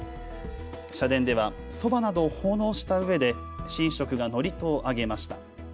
社殿では、そばなどを奉納したうえで神職が祝詞を上げました。